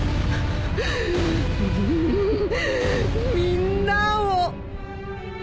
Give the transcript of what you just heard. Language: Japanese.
みんなを。